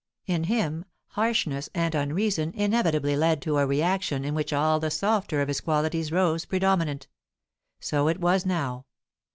In him, harshness and unreason inevitably led to a reaction in which all the softer of his qualities rose predominant. So it was now.